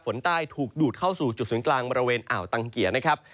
ใต้ถูกดูดเข้าสู่จุดศูนย์กลางบริเวณอ่าวตังเกียร์นะครับ